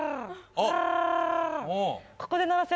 あっ